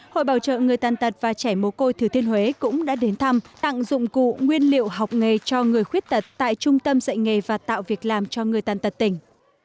hội bảo trợ người tàn tật và trẻ mồ côi thừa thiên huế cũng đã đến thăm tặng dụng cụ nguyên liệu học nghề cho người khuyết tật tại trung tâm dạy nghề và tạo việc làm cho người tàn tật tỉnh